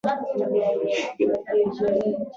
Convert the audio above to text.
زموږ تیوري سیاست هم په ځان کې را نغاړي.